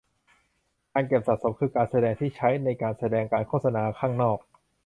การเก็บสะสมคือการแสดงที่ใช้ในการแสดงการโฆษณาข้างนอก